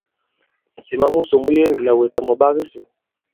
Ŋ̀sìma musò mu yege ndī àlà wɛ̀tàm ɔ̀ ɓak i sī.